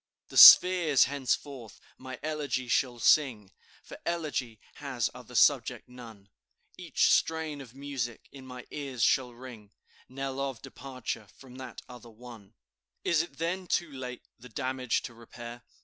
"The spheres henceforth my elegy shall sing, For elegy has other subject none; Each strain of music in my ears shall ring Knell of departure from that other one. "Is't then too late the damage to repair?